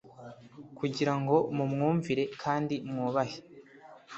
kugira ngo mumwumvire kandi mwubahe